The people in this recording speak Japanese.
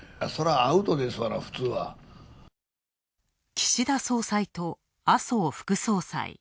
岸田総裁と麻生副総裁。